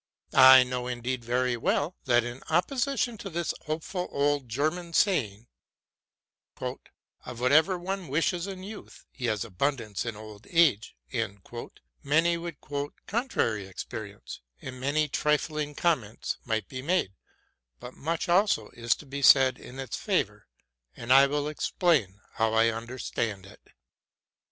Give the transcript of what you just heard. I know indeed very well, that in opposition to this honest, hopeful old German saying, ''Of whatever one wishes in youth, he has abun dance in old age,'' many would quote contrary experience, and many trifling comments might be made; but much, also, is to be said in its favor: and I will explain how I understand it.